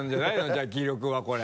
じゃあ記録はこれ。